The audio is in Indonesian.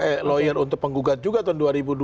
eh lawyer untuk penggugat juga tahun dua ribu dua puluh